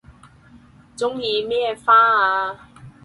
鍾意咩花啊